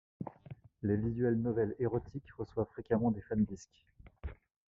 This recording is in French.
Les visuals novels érotique reçoivent fréquemment des fan disc.